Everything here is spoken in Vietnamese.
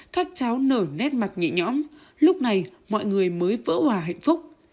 các cháu nở nét mặt nhị nhõm lúc này mọi người mới vỡ hòa hạnh phúc